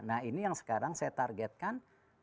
nah ini yang sekarang saya targetkan